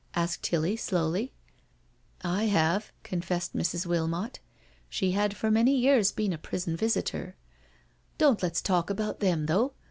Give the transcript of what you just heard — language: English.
asked Tilly slowly^ " I have," confessed Mrs, Wilmot. She had for many years been a prison visitor. " Don't let's talk about them, though.